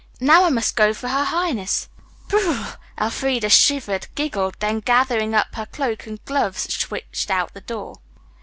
Now, I must go for her highness. Br r " Elfreda shivered, giggled, then gathering up her cloak and gloves switched out the door.